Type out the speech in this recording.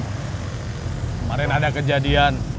kemarin ada kejadian